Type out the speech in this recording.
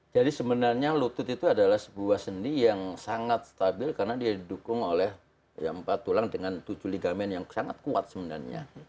jadi sebenarnya lutut itu adalah sebuah sendi yang sangat stabil karena dia didukung oleh empat tulang dengan tujuh ligamen yang sangat kuat sebenarnya